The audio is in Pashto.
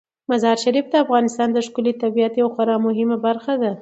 مزارشریف د افغانستان د ښکلي طبیعت یوه خورا مهمه برخه ده.